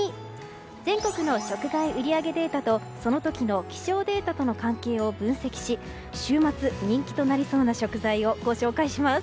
全国の食材売り上げデータとその時の気象データとの関係を分析し週末、人気となりそうな食材をご紹介します。